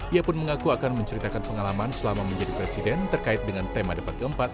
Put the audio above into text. ia pun mengaku akan menceritakan pengalaman selama menjadi presiden terkait dengan tema debat keempat